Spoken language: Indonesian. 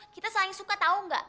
kita saling suka tahu nggak